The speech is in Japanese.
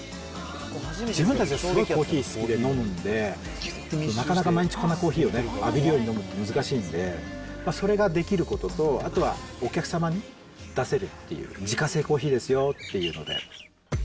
自分たちがすごいコーヒー好きで飲んで、なかなか毎日コナコーヒーを浴びるように飲むって難しいんで、それができることと、あとはお客様に出せるっていう、自家製コーヒーですよっていうので。